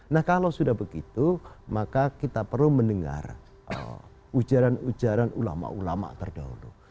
nah kalau sudah begitu maka kita perlu mendengar ujaran ujaran ulama ulama terdahulu